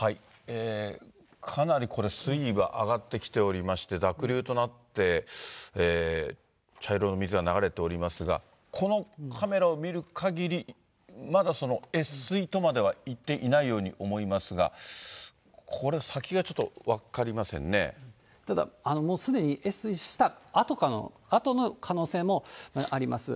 かなりこれ、水位が上がってきておりまして、濁流となって茶色の水が流れておりますが、このカメラを見るかぎり、まだ越水とまではいっていないように思いますが、これ先がちょっただ、もうすでに越水したあとの可能性もあります。